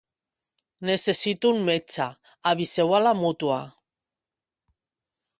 Necessito un metge; aviseu a la mútua.